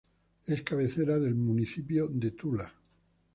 Es cabecera del municipio de Tula.